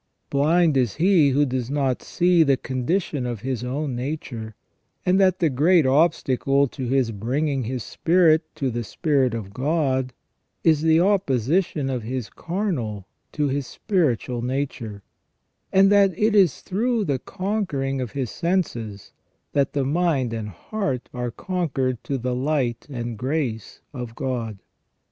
Blind is he who does not see the condition of his own nature, and that the great obstacle to his bringing his spirit to the spirit of God is the opposition of his carnal to his spiritual nature; and that it is through the conquering of his senses that his mind and heart are conquered to the light and grace of God.